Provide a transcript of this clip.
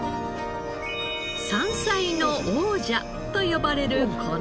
「山菜の王者」と呼ばれるこの食材。